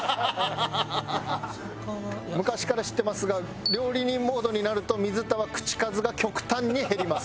昔から知ってますが料理人モードになると水田は口数が極端に減ります。